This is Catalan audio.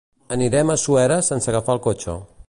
Anirem a Suera sense agafar el cotxe.